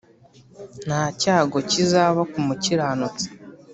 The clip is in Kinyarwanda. Nta cyago kizaba ku mukiranutsi